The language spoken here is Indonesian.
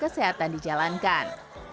protokol kesehatan dijalankan